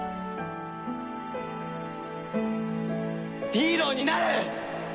ヒーローになる！！